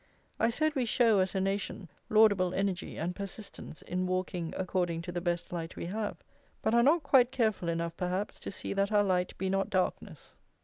I said we show, as a nation, laudable energy and persistence in walking according to the best light we have, but are not quite careful enough, perhaps, to see that our light be not darkness.